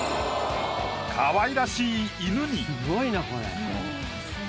かわいらしい犬に。